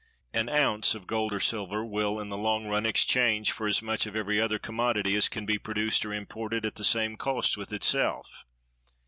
An ounce of gold or silver will in the long run exchange for as much of every other commodity as can be produced or imported at the same cost with itself.